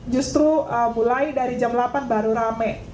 justru mulai dari jam delapan baru rame